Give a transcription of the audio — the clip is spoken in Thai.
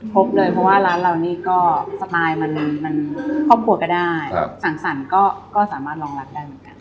พบเลยเพราะว่าร้านเรานี่ก็สไตล์มันครอบครัวก็ได้สั่งสรรค์ก็สามารถรองรับได้เหมือนกัน